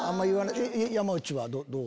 山内はどう？